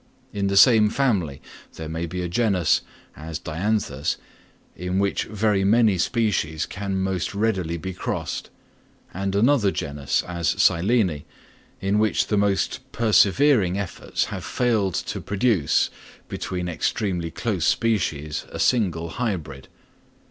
In the same family there may be a genus, as Dianthus, in which very many species can most readily be crossed; and another genus, as Silene, in which the most persevering efforts have failed to produce between extremely close species a single hybrid.